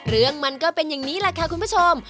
เรื่องมันก็เป็นอย่างนี้แหละค่ะคุณผู้ชม